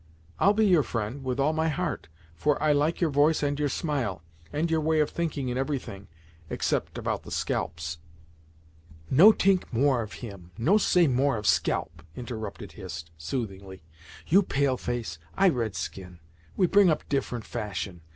I'll be your friend, with all my heart, for I like your voice and your smile, and your way of thinking in every thing, except about the scalps " "No t'ink more of him no say more of scalp " interrupted Hist, soothingly "You pale face, I red skin; we bring up different fashion.